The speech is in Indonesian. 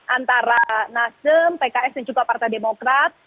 antara nasdem pks dan juga partai demokrat